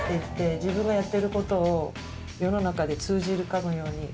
自分がやってることを世の中で通じるかのように。